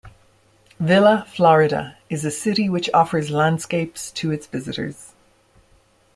Villa Florida is a city which offers landscapes to its visitors.